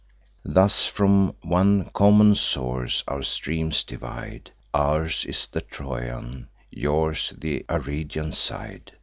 Thus from one common source our streams divide; Ours is the Trojan, yours th' Arcadian side.